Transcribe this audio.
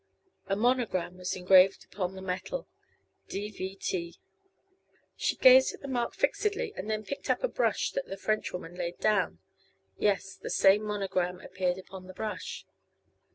A monogram was engraved upon the metal: "D.v.T." She gazed at the mark fixedly and then picked up a brush that the Frenchwoman laid down. Yes, the same monogram appeared upon the brush.